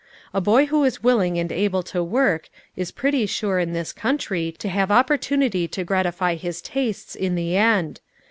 A boy who is willing and able to work, is pretty sure, in this country, to have opportunity to gratify his tastes in the end.